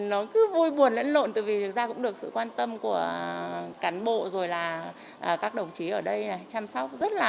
nó cứ vui buồn lẫn lộn từ vì thực ra cũng được sự quan tâm của cán bộ rồi là các đồng chí ở đây chăm sóc rất là